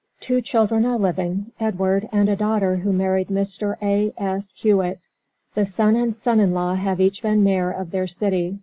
Two children are living, Edward, and a daughter who married Mr. A. S. Hewitt. The son and son in law have each been mayor of their city.